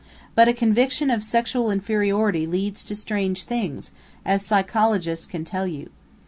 But a conviction of sexual inferiority leads to strange things, as psychologists can tell you....